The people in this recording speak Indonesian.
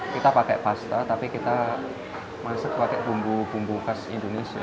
kita pakai pasta tapi kita masak pakai bumbu bumbu khas indonesia